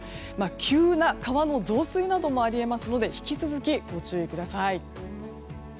急な川の増水などもあり得ますので引き続き、ご注意ください。